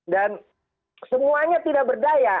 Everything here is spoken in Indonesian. dan semuanya tidak berdaya